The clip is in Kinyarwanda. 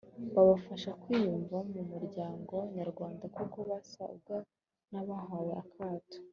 babafasha kwiyumva mu muryango nyarwanda kuko basaga n abahawe akato